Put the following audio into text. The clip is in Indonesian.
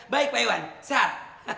baik pak iwan sehat